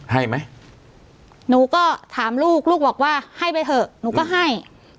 ให้ไหมหนูก็ถามลูกลูกบอกว่าให้ไปเถอะหนูก็ให้